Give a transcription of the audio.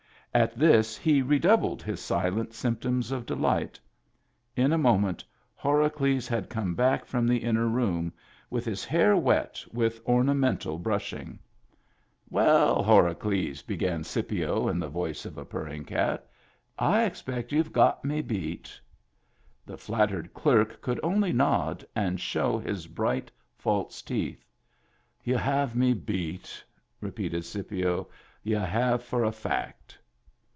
At this he redoubled his silent symptoms of delight. In a moment Horacles had come back from the inner room with his hair wet with ornamental brushing. Digitized by Google 58 MEMBERS OF THE FAMILY "Well, Horacles," began Scipio in the voice of a purring cat, " I expect y'u have me beat." The flattered clerk could only nod and show his bright, false teeth. "Y'u have me beat," repeated Scipio. "Y'u have for a fact."